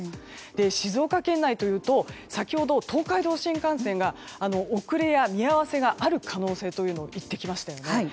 静岡県内というと先ほど東海道新幹線が遅れや見合わせがある可能性をいっきましたよね。